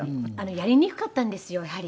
やりにくかったんですよやはり。